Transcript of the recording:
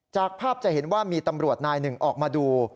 จากภาพจะเห็นว่ามีตำรวจนายหนึ่งออกมาดู